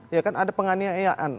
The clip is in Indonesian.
ya kan ada penganiayaan